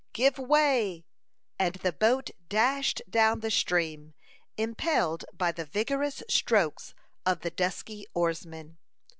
"Give way!" and the boat dashed down the stream, impelled by the vigorous strokes of the dusky oarsmen.